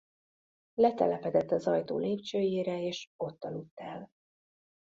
Letelepedett az ajtó lépcsőjére és ott aludt el.